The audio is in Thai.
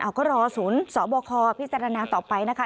ก็รอศูนย์สบคพิจารณาต่อไปนะคะ